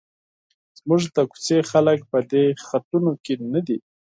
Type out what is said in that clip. زموږ د کوڅې خلک په دې خطونو کې نه دي.